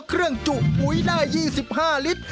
เครื่องจุปุ๋ยได้๒๕ลิตร